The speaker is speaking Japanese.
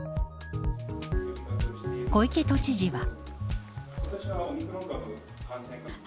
小池都知事は。